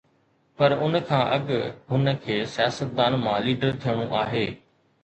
پر ان کان اڳ هن کي سياستدان مان ليڊر ٿيڻو آهي.